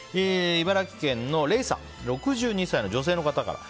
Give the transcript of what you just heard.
茨城県の６２歳の女性の方から。